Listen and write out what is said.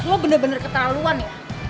lo bener bener ketahuan ya